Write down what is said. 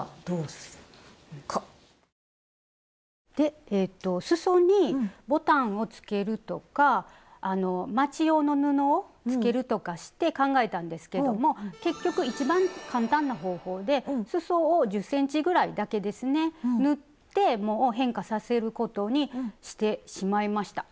スタジオでえっとすそにボタンをつけるとかあのまち用の布をつけるとかして考えたんですけども結局一番簡単な方法ですそを１０ｃｍぐらいだけですね縫ってもう変化させることにしてしまいました。